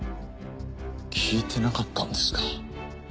聞いてなかったんですか？